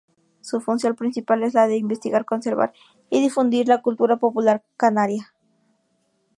Su función principal es la de investigar, conservar y difundir la cultura popular canaria.